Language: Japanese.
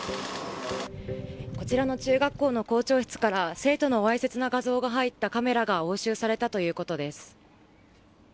こちらの中学校の校長室から生徒のわいせつな画像が入ったカメラが押収されたということです。